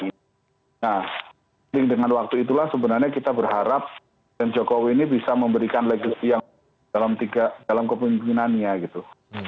nah dengan waktu itulah sebenarnya kita berharap dan jokowi ini bisa memberikan legasi yang dalam kepemimpinannya gitu